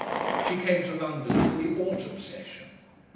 She came to London for the autumn session.